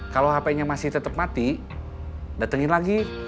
kalau hp nya masih tetap mati datengin lagi